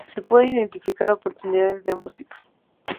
Se pueden identificar oportunidades de ambos tipos.